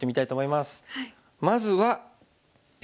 まずはＡ。